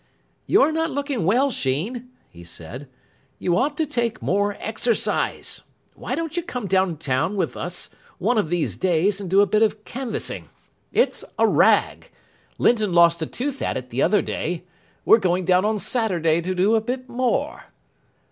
"You're not looking well, Sheen," he said. "You ought to take more exercise. Why don't you come down town with us one of these days and do a bit of canvassing? It's a rag. Linton lost a tooth at it the other day. We're going down on Saturday to do a bit more."